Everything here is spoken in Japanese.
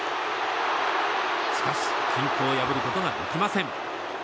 しかし均衡を破ることができません。